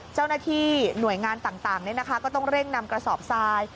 เจ้าหน้าที่หน่วยงานต่างก็ต้องเร่งนำกระสอบทราย